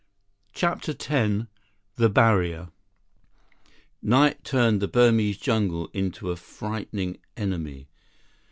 70 CHAPTER X The Barrier Night turned the Burmese jungle into a frightening enemy.